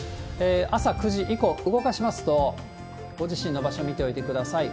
朝９時以降、動かしますと、ご自身の場所、見ておいてください。